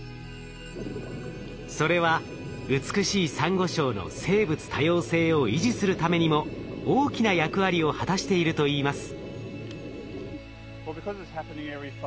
それは美しいサンゴ礁の生物多様性を維持するためにも大きな役割を果たしているといいます。